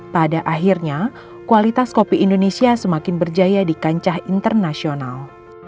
pada akhirnya kualitas kopi indonesia semakin berjaya di kancah internasional